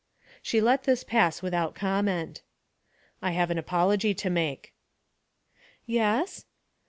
"' She let this pass without comment. 'I have an apology to make.' 'Yes?'